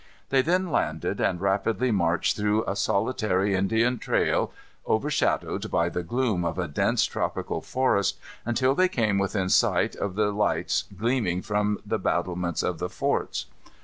They then landed and rapidly marched through a solitary Indian trail, overshadowed by the gloom of a dense tropical forest, until they came within sight of the lights gleaming from the battlements of the forts.